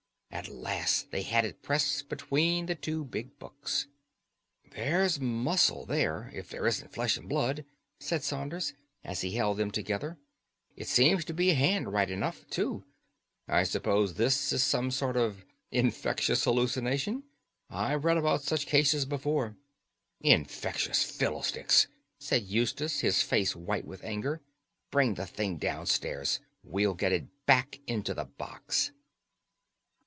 At last they had it pressed between the two big books. "There's muscle there, if there isn't flesh and blood," said Saunders, as he held them together. "It seems to be a hand right enough, too. I suppose this is a sort of infectious hallucination. I've read about such cases before." "Infectious fiddlesticks!" said Eustace, his face white with anger; "bring the thing downstairs. We'll get it back into the box."